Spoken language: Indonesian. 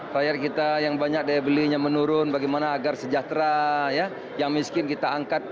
rakyat kita yang banyak daya belinya menurun bagaimana agar sejahtera yang miskin kita angkat